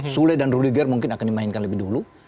sule dan ruliger mungkin akan dimainkan lebih dulu